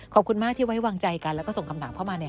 ขอบคุณมากที่ไว้วางใจกันแล้วก็ส่งคำถามเข้ามาเนี่ย